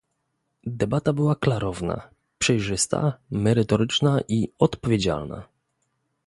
Debata była klarowna, przejrzysta, merytoryczna i odpowiedzialna